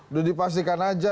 udah dipastikan aja